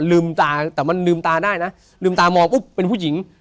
ลืมตาแต่มันลืมตาได้นะลืมตามองปุ๊บเป็นผู้หญิง